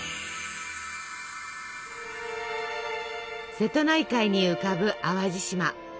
瀬戸内海に浮かぶ淡路島。